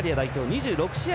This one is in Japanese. ２６試合